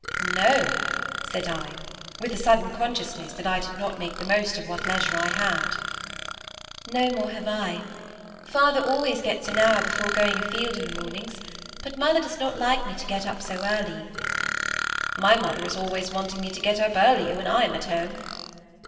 "No," said I, with a sudden consciousness that I did not make the most of what leisure I had. "No more have I. Father always gets an hour before going a field in the mornings, but mother does not like me to get up so early." "My mother is always wanting me to get up earlier when I am at home."